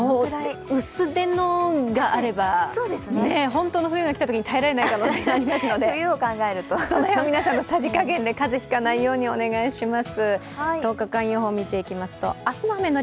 薄手のがあれば、本当の冬が来たときに耐えられない可能性がありますのでその辺は皆さんのさじかげんでかぜをひかないようにお願いします。